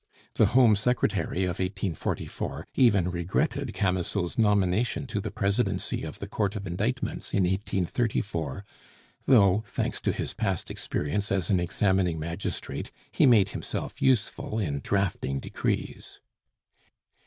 The Home Secretary of 1844 even regretted Camusot's nomination to the presidency of the Court of Indictments in 1834, though, thanks to his past experience as an examining magistrate, he made himself useful in drafting decrees.